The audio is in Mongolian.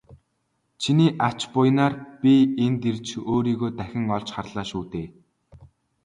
Чиний ач буянаар би энд ирж өөрийгөө дахин олж харлаа шүү дээ.